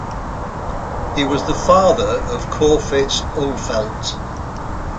He was the father of Corfitz Ulfeldt.